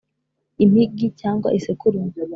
Impigi cyangwa isekurume